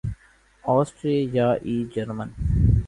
آسٹریائی German